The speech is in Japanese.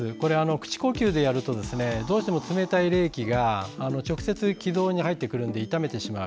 口呼吸でやるとどうしても冷たい冷気が直接、気道に入ってくるので傷めてしまう。